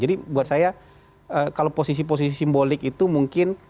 buat saya kalau posisi posisi simbolik itu mungkin